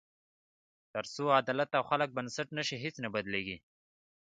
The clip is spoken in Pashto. تر څو عدالت او خلک بنسټ نه شي، هیڅ نه بدلېږي.